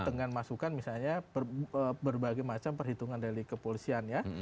dengan masukan misalnya berbagai macam perhitungan dari kepolisian ya